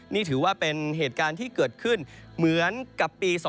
นี่ถือว่าเป็นเหตุการณ์ที่เกิดขึ้นเหมือนกับปี๒๕๖